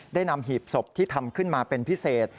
ได้นำหีบศพที่ทำขึ้นมาเป็นพิเศษ